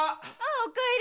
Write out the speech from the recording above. おかえり！